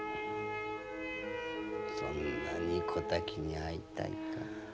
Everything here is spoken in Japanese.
そんなに小滝に会いたいか？